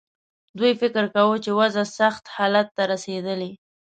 دوی فکر کاوه چې وضع سخت حالت ته رسېدلې.